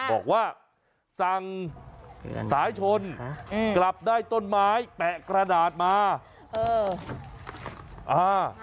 บอกว่าสั่งสายชนกลับได้ต้นไม้แปะกระดาษมาเอออ่า